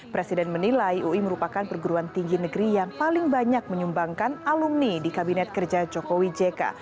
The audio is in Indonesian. presiden menilai ui merupakan perguruan tinggi negeri yang paling banyak menyumbangkan alumni di kabinet kerja jokowi jk